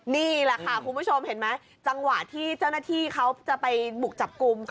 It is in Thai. นี่แหละค่ะคุณผู้ชมเห็นไหมจังหวะที่เจ้าหน้าที่เขาจะไปบุกจับกลุ่ม